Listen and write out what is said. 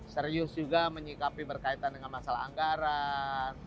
serius juga menyikapi berkaitan dengan masalah anggaran